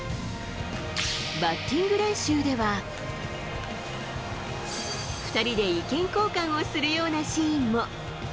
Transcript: バッティング練習では、２人で意見交換をするようなシーンも。